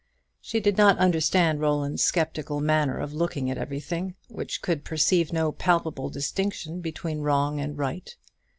She did not understand Roland's sceptical manner of looking at everything, which could perceive no palpable distinction between wrong and right.